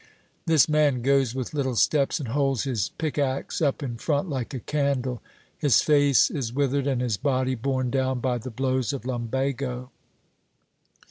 This man goes with little steps, and holds his pickax up in front like a candle; his face is withered, and his body borne down by the blows of lumbago.